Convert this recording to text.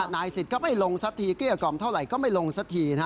นายสิทธิ์ก็ไม่ลงสักทีเกลี้ยกล่อมเท่าไหร่ก็ไม่ลงสักที